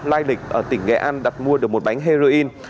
lai lịch ở tỉnh nghệ an đặt mua được một bánh heroin